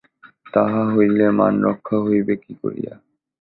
তাহা হইলে মান রক্ষা হইবে কি করিয়া?